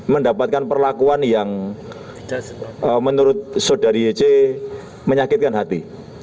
mendapatkan perlakuan yang menurut saudari ece menyakitkan hati